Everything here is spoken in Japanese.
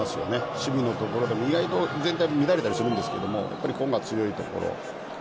守備のところでも意外と全体が乱れたりするんですが個が強いところ。